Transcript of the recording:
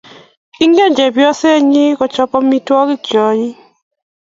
Ingen chepyosenyu kochop amitwogik che anyiny